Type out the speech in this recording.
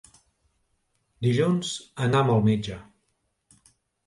Dilluns anam al metge.